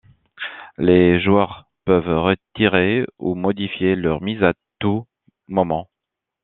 Les joueurs peuvent retirer ou modifier leur mise à tout moment.